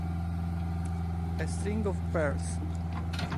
A String of Pearls